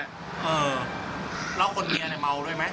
เออแล้วคนเมียเนี่ยเมาด้วยไหม